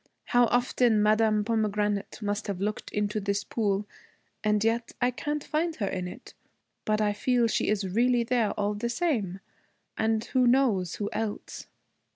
How often Madame Pomegranate must have looked into this pool, and yet I can't find her in it. But I feel she is really there, all the same and who knows who else.'